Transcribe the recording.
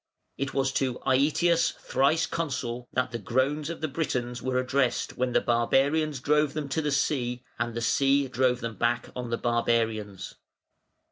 It was to "Aëtius, thrice Consul", that "the groans of the Britons" were addressed when "the Barbarians drove them to the sea, and the sea drove them back on the Barbarians".